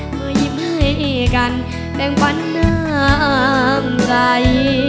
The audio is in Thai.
เมื่อยิ้มให้กันแบ่งปันน้ำใจ